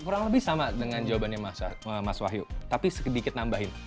kurang lebih sama dengan jawabannya mas wahyu tapi sedikit nambahin